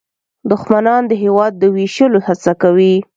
دښمنان د هېواد د ویشلو هڅه کوي